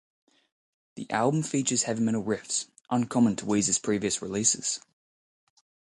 The album features heavy metal riffs, uncommon to Weezer's previous releases.